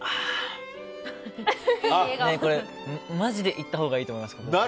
マジで行ったほうがいいと思います。